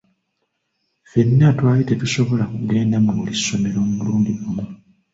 Ffenna twali tetusobola kugenda mu buli ssomero mulundi gumu.